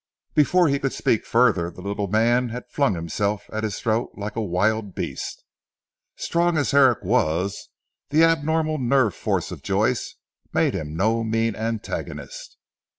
Before he could speak further the little man had flung himself at his throat like a wild beast. Strong as Herrick was, the abnormal nerve force of Joyce made him no mean antagonist.